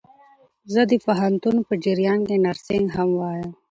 زه د پوهنتون په جریان کښي نرسينګ هم وايم.